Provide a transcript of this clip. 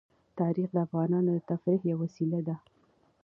تاریخ د افغانانو د تفریح یوه وسیله ده.